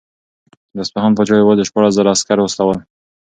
د اصفهان پاچا یوازې شپاړس زره عسکر واستول.